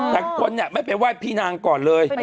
แต่คนไม่ไปไหว้พี่นางก่อนเลย